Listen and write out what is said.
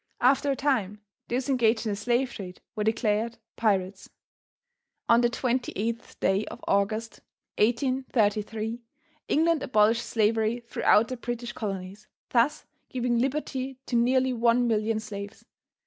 After a time, those engaged in the slave trade were declared pirates. On the 28th day of August, 1833, England abolished slavery throughout the British Colonies, thus giving liberty to nearly one million slaves.